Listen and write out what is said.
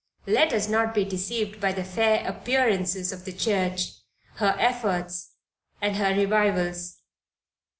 Let us not be deceived by the fair appearances of the church, her efforts, and her revivals.